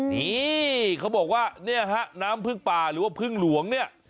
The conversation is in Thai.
นี่เขาบอกว่าเนี่ยฮะน้ำพึ่งป่าหรือว่าพึ่งหลวงเนี่ย